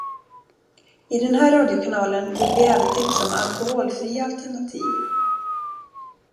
I den här radiokanalen vill vi även tipsa om alkoholfria alternativ